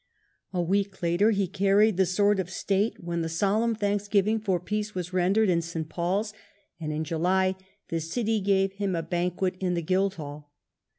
. A week later he carried AMBASSADOR AT PARIS the Sword of State when the solemn Thanksgiving for peace was rendered in St. Paulas ; and in July the city gave him a banquet in the Guildhall.